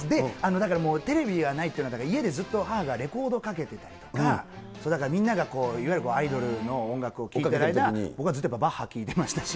だからもうテレビがないっていうのは、だから家でずっと母がレコードをかけてたりとか、だからみんながいわゆるアイドルの音楽を聴いてる間、僕はずっとバッハ聴いてましたし。